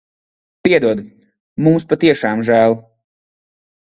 Piedod. Mums patiešām žēl.